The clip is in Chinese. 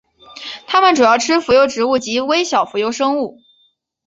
它们主要吃浮游植物及微小浮游生物。